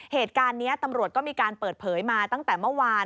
เหตุการณ์นี้ตำรวจก็มีการเปิดเผยมาตั้งแต่เมื่อวาน